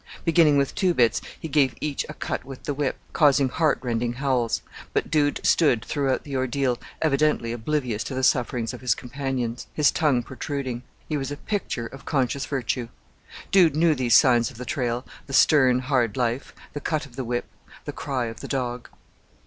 Beginning with Two Bits, he gave each a cut with the whip, causing heart rending howls; but Dude stood throughout the ordeal, evidently oblivious to the sufferings of his companions; his tongue protruding. He was a picture of conscious virtue. Dude knew these signs of the trail, the stern, hard life, the cut of the whip, the cry of the dog.